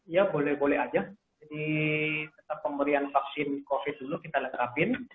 ya boleh boleh aja jadi tetap pemberian vaksin covid dulu kita terapin